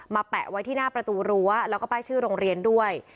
แปะไว้ที่หน้าประตูรั้วแล้วก็ป้ายชื่อโรงเรียนด้วย